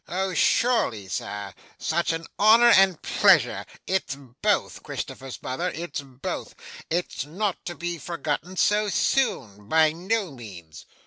'Oh surely, sir. Such an honour and pleasure it's both, Christopher's mother, it's both is not to be forgotten so soon. By no means!